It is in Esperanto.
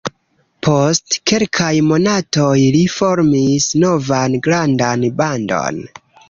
Post kelkaj monatoj li formis novan grandan bandon.